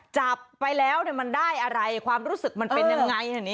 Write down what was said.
จับไปแล้วมันได้อะไรความรู้สึกมันเป็นยังไง